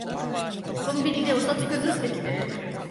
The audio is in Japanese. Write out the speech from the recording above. コンビニでお札くずしてきて。